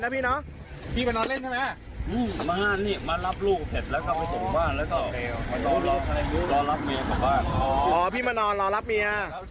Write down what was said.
พี่มานอนรอรับเมีย